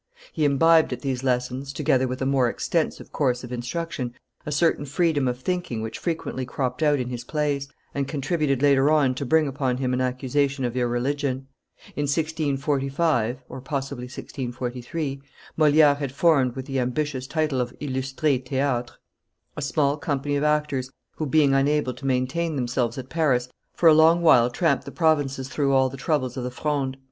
He imbibed at these lessons, together with a more extensive course of instruction, a certain freedom of thinking which frequently cropped out in his plays, and contributed later on to bring upon him an accusation of irreligion. In 1645 (?1643), Moliere had formed, with the ambitious title of illustre theatre, a small company of actors, who, being unable to maintain themselves at Paris, for a long while tramped the provinces through all the troubles of the Fronde.